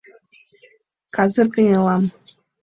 — Казыр кынелам.